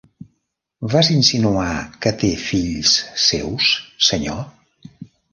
Vas insinuar que té fills seus, senyor?